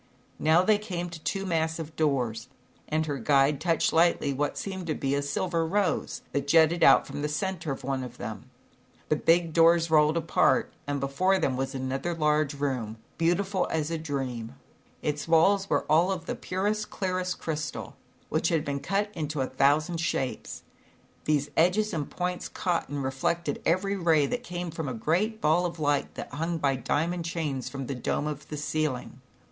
!L Now they came to two massive doors, and her guide touched lightly what seemed to be a silver rose, that jutted out from the center of one of the The big doors rolled apart, an before them was another large room, beautiful as a da Its walls a were of the j clearest crystal, which had been cut into a thousand shapes. Thes< n and points caught and reflecte x ^j 128 ZAUBERLINDA, THE WISE WITCH. ray that came from a great ball of light that hung by diamond chains from the dome of the ceiling.